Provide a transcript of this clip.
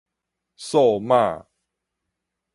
數碼